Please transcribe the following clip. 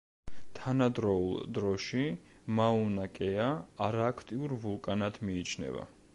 თანადროულ დროში მაუნა-კეა არააქტიურ ვულკანად მიიჩნევა.